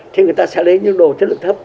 thì người ta sẽ lấy nhung đồ chất lượng thấp